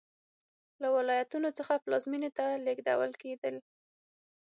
له ولایتونو څخه پلازمېنې ته لېږدول کېدل